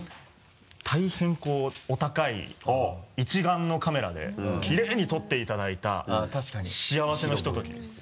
大変こうお高い一眼のカメラできれいに撮っていただいた幸せのひとときです。